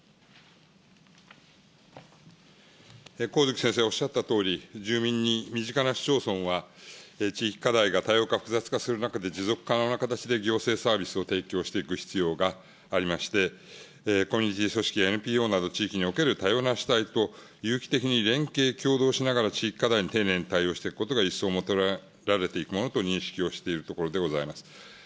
上月先生、おっしゃったとおり、住民に身近な市町村は、地域課題が多様化、複雑化する中で、持続可能な中で行政サービスを提供していく必要がありまして、組織、ＮＰＯにおける多様なを有機的に連携、協同しながら地域課題に丁寧に対応していくことが一層求められていくものと認識をしておるところでございます。